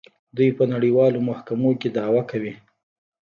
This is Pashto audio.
دوی په نړیوالو محکمو کې دعوا کوي.